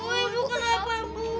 bu ibu kenapa